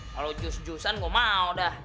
kalau jus jusan gue mau dah